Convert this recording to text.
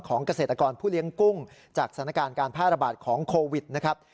เกษตรกรผู้เลี้ยงกุ้งจากสถานการณ์การแพร่ระบาดของโควิดนะครับ